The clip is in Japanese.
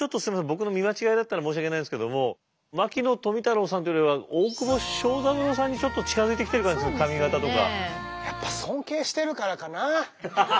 僕の見間違いだったら申し訳ないんですけども牧野富太郎さんっていうよりは大窪昭三郎さんにちょっと近づいてきてる感じする髪形とか。